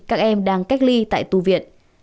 các em đang cách ly tại tu viện